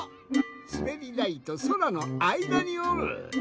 すべりだいとそらのあいだにおる。